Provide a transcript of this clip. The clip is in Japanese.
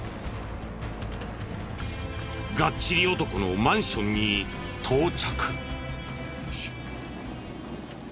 ガッチリ男のマンションに到着。